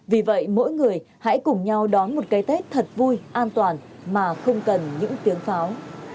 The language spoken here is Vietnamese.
vì vậy mỗi người hãy cùng nhau đón một cái tết thật vui an toàn mà không cần những tiếng pháo